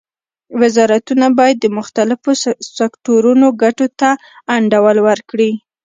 وزارتونه باید د مختلفو سکتورونو ګټو ته انډول ورکړي